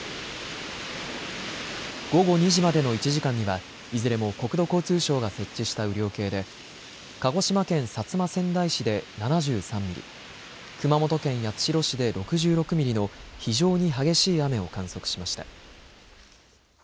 午後２時までの１時間にはいずれも国土交通省が設置した雨量計で鹿児島県薩摩川内市で７３ミリ、熊本県八代市で６６ミリの非常に激しい雨を観測しました。